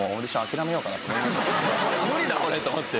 「無理だ俺」と思って。